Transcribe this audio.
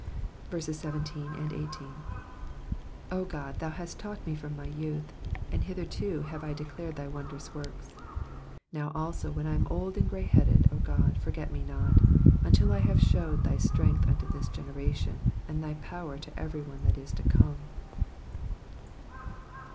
17 O God, thou hast taught me from my youth : and hitherto have I declared thy wondrous works. 18 Now also when I am old and greyheaded, O God, forsake me not ; until I have shewed thy strength unto tAis generation, and thy power to every one ^/lat is to come.